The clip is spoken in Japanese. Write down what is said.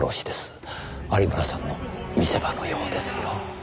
有村さんの見せ場のようですよ。